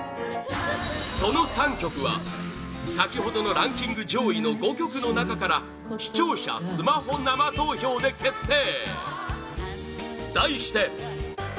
その３曲は先ほどのランキング上位５曲の中から視聴者スマホ生投票で決定！